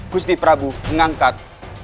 gusti prabu mengangkat